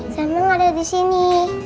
sama gak ada disini